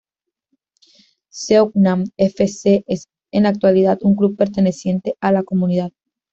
Seongnam F. C. es en la actualidad un club perteneciente a la comunidad.